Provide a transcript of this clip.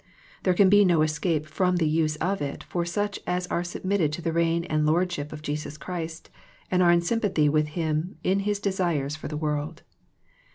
There can be no escape from the use of it for such as are submitted to the reign and Lordship of Jesus Christ and are in sympathy with Him in His desires for the world.